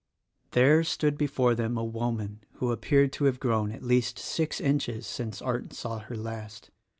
There stood before them a woman, who appeared to have grown at least six inches since Arndt saw her last.